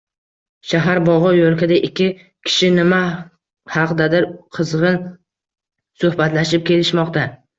Shahar bog’i. Yo’lkada ikki kishi nima haqdadir qizg’in suhbatlashib kelishmoqda.